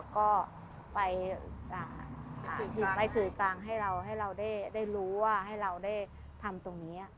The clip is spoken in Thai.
ก็ไปสื่อกลางให้เราให้เราได้รู้ว่าให้เราได้ทำตรงนี้